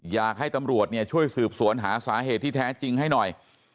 อยากให้ตำรวจช่วยสืบสวนหาสาเหตุที่แท้จริงให้หน่อย